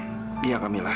dihabiskan ya pak kamilah